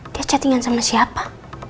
dia chattingan sama siapa